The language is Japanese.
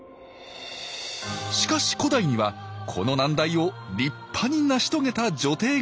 しかし古代にはこの難題を立派に成し遂げた女帝がいました。